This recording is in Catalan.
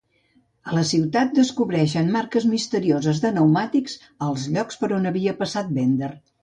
A la ciutat, descobreixen marques misterioses de pneumàtics als llocs per on havia passat Bender.